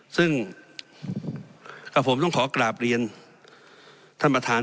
ซึ่งกับผมต้องขอกราบเรียนท่านประธาน